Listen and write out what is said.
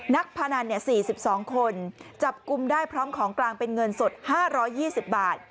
พนัน๔๒คนจับกลุ่มได้พร้อมของกลางเป็นเงินสด๕๒๐บาท